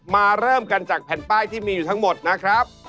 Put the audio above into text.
เริ่มกันจากแผ่นป้ายที่มีอยู่ทั้งหมดนะครับ